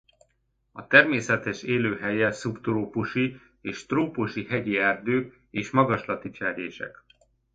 A természetes élőhelye szubtrópusi és trópusi hegyi erdők és magaslati cserjések.